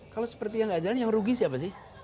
kalau sepertinya gak jalan yang rugi siapa sih